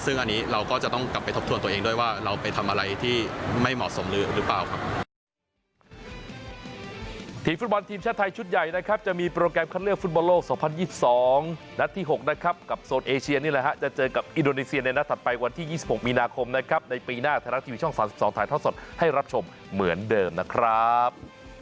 ซึ่งอันนี้เราก็จะต้องกลับไปทบทวนตัวเองด้วยว่าเราไปทำอะไรที่ไม่เหมาะสมหรือเปล่าครับ